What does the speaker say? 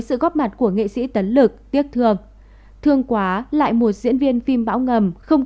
sự góp mặt của nghệ sĩ tấn lực tiếc thương thương quá lại một diễn viên phim bão ngầm không